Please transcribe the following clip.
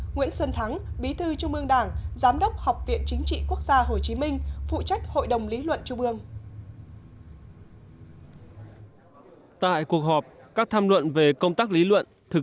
nguyễn xuân thắng bí thư trung ương đảng giám đốc học viện chính trị quốc gia hồ chí minh